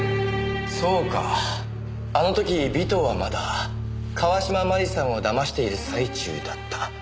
そうかあの時尾藤はまだ川島真里さんを騙している最中だった。